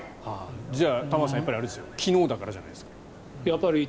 じゃあ、やっぱり玉川さん昨日だからじゃないですか。